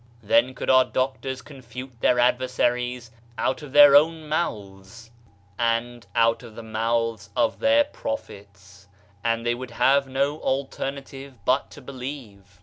Then could our doctors confute their adversaries out of their own mouths, and out of the mouths of their prophets; and they would have no alternative but to believe.